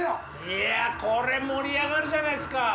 いやこれ盛り上がるじゃないっすか。